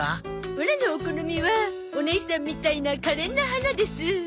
オラのお好みはおねいさんみたいなかれんな花ですぅ。